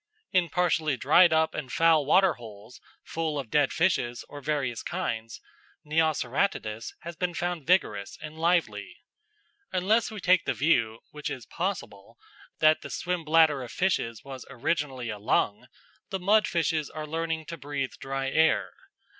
In partially dried up and foul waterholes, full of dead fishes of various kinds, Neoceratodus has been found vigorous and lively. Unless we take the view, which is possible, that the swim bladder of fishes was originally a lung, the mud fishes are learning to breathe dry air.